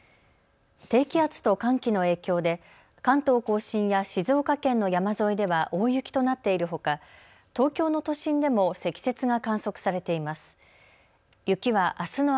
低気圧と寒気の影響で関東甲信や静岡県の山沿いでは大雪となっているほか東京の都心でも積雪が観測されています。